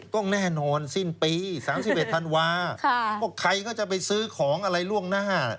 ต้องแน่นอนสิ้นปี๓๑ธันวาก็ใครก็จะไปซื้อของอะไรล่วงหน้า